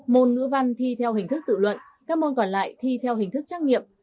môn ngữ văn thi theo hình thức tự luận các môn còn lại thi theo hình thức trắc nghiệm